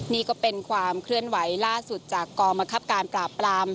นี่ก็เป็นความเคลื่อนไหวล่าสุดจากกองบังคับการปราบปราม